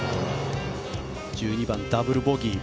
１２番、ダブルボギー。